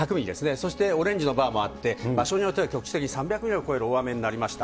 そしてオレンジのバーもあって、場所によっては局地的に３００ミリを超える大雨になりました。